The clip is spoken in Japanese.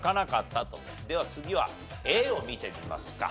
では次はＡを見てみますか。